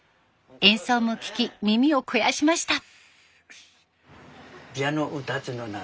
演奏も聴き耳を肥やしました。